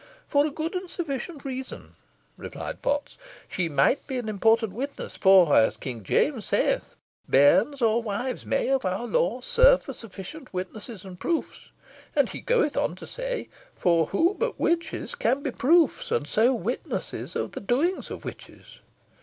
"For a good and sufficing reason," replied Potts. "She might be an important witness; for, as King James saith, 'bairns or wives may, of our law, serve for sufficient witnesses and proofs.' And he goeth on to say, 'For who but witches can be proofs, and so witnesses of the doings of witches?'"